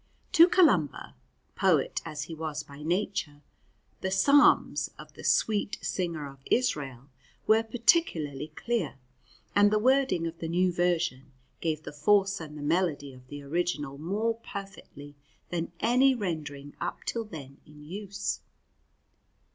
To Columba, poet as he was by nature, the psalms of the "sweet singer of Israel" were particularly clear, and the wording of the new version gave the force and the melody of the original more perfectly than any rendering up till then in use.